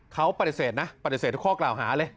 เขาปฏิเสธนะปฏิเสธทุกข้อกล่าวหาเลย